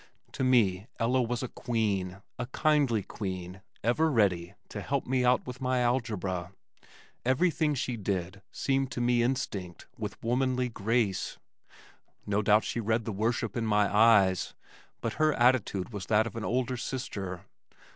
To me Ella was a queen, a kindly queen, ever ready to help me out with my algebra. Everything she did seemed to me instinct with womanly grace. No doubt she read the worship in my eyes, but her attitude was that of an older sister.